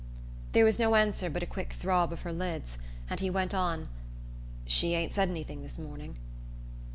There was no answer but a quick throb of her lids, and he went on: "She ain't said anything this morning?"